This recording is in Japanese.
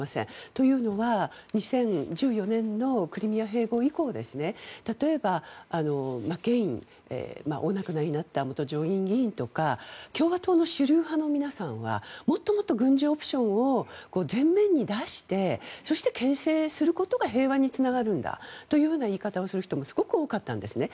というのは、２０１４年のクリミア併合以降例えば、マケインお亡くなりになった元上院議員とか共和党の主流派の皆さんはもっともっと軍事オプションを前面に出してそして、けん制することが平和につながるんだという言い方をする人もすごく多かったんですね。